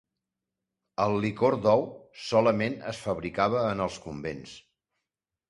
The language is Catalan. El licor d'ou solament es fabricava en els convents.